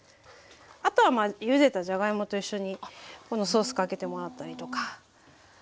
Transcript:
あとはゆでたじゃがいもと一緒にこのソースかけてもらったりとか。